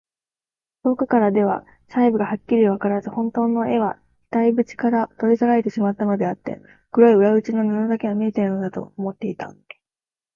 遠くからでは細部がはっきりわからず、ほんとうの絵は額ぶちから取り去られてしまったのであって、黒い裏打ちの布だけが見えているのだ、と思っていた。